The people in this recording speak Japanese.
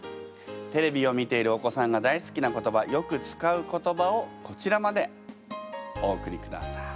テレビを見ているお子さんが大好きな言葉よく使う言葉をこちらまでお送りください。